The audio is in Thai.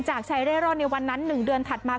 จากชายได้รอดในวันนั้น๑เดือนถัดมา